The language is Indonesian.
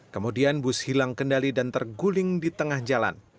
kemudian bus hilang kendali dan terguling di tengah jalan